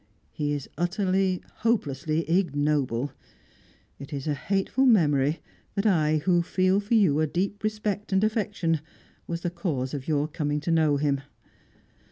He is utterly, hopelessly ignoble. It is a hateful memory that I, who feel for you a deep respect and affection, was the cause of your coming to know him.